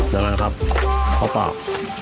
เดี๋ยวนะครับเอาปาก